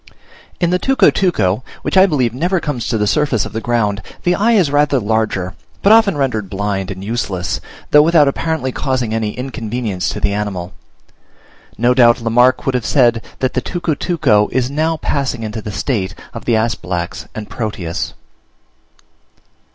In the tucutuco, which I believe never comes to the surface of the ground, the eye is rather larger, but often rendered blind and useless, though without apparently causing any inconvenience to the animal; no doubt Lamarck would have said that the tucutuco is now passing into the state of the Asphalax and Proteus.